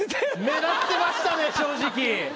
狙ってましたね正直。